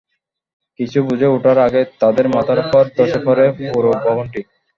কিছু বুঝে ওঠার আগেই তাঁদের মাথার ওপর ধসে পরে পুরো ভবনটি।